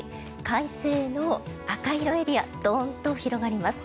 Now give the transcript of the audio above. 快晴の赤色エリアドンと増えます。